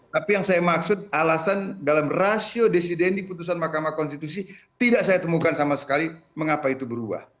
tapi yang saya maksud alasan dalam rasio desiden di putusan mahkamah konstitusi tidak saya temukan sama sekali mengapa itu berubah